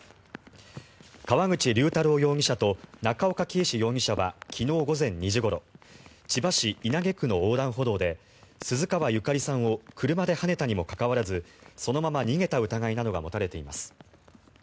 川口龍太郎容疑者と中岡敬志容疑者は昨日午前２時ごろ千葉市稲毛区の横断歩道で鈴川ゆかりさんを車ではねたにもかかわらずそのまま逃げた疑いなどが持たれています。